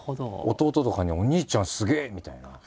弟とかに「お兄ちゃんすげえ」みたいな。